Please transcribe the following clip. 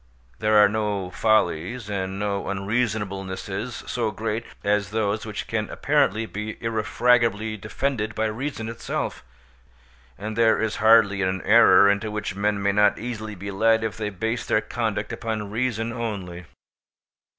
There are no follies and no unreasonablenesses so great as those which can apparently be irrefragably defended by reason itself, and there is hardly an error into which men may not easily be led if they base their conduct upon reason only.